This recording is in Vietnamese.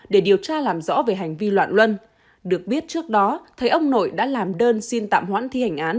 để điều tra làm rõ về hành vi loạn luân được biết trước đó thấy ông nội đã làm đơn xin tạm hoãn thi hành án